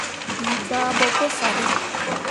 Bii bah ɓo pu fahlle.